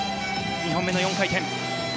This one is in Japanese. ２本目の４回転。